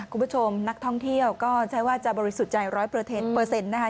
คุณผู้ชมนักท่องเที่ยวก็ใช้ว่าจะบริสุทธิ์ใจ๑๐๐นะคะ